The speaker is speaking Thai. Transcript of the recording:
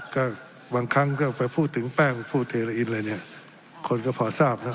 ก็บางครั้งก็ไปพูดถึงแป้งพูดเทละอินอะไรเนี่ยคนก็พอทราบนะ